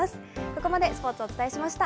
ここまでスポーツ、お伝えしました。